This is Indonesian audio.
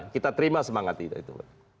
kita terima semangat itu